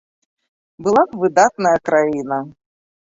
Была б выдатная краіна.